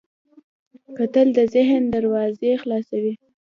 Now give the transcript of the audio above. کتل د ذهن دروازې خلاصوي